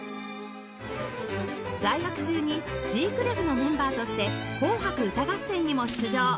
在学中に Ｇ− クレフのメンバーとして『紅白歌合戦』にも出場